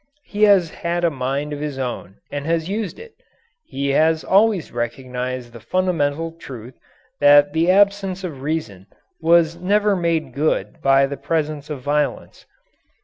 He has had a mind of his own and has used it. He has always recognized the fundamental truth that the absence of reason was never made good by the presence of violence.